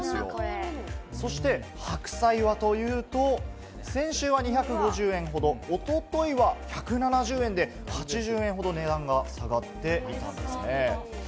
そして、白菜はというと、先週は２５０円ほど、おとといは１７０円で、８０円ほど値段が下がってきたんですね。